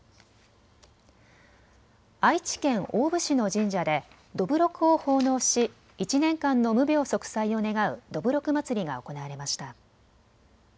愛知県大府市の神社でどぶろくを奉納し１年間の無病息災を願うどぶろくまつりが行われました。